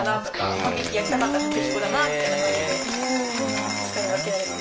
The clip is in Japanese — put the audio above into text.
パンケーキ焼きたかったら薄力粉だなみたいな感じで使い分けられます。